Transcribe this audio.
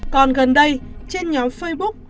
còn gần đây trên nhóm facebook